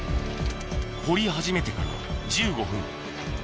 掘り始めてから１５分。